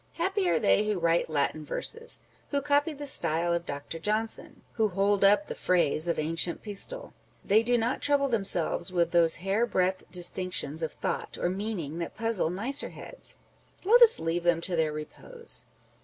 Happy are they who write Latin verses ! â€" who copy the style of Dr. Johnson ! â€" who hold up the phrase of ancient Pistol ! They do not trouble themselves with those hair breadth distinctions of thought or meaning that puzzle nicer heads ; â€" let us leave them to their repose